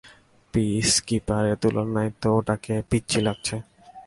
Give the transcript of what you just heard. পিসকিপারের তুলনায় তো ওটাকে পিচ্চি লাগছে!